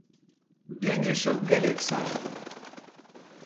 دوێنێ شەو گەلێک سارد بوو.